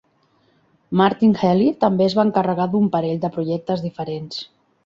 Martin Healy també es va encarregar d'un parell de projectes diferents.